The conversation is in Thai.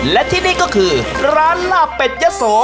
และที่นี่ก็คือร้านลาบเป็ดยะโส